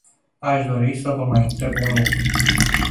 Aș dori să vă mai întreb un lucru.